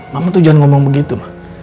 mama tuh jangan ngomong begitu mah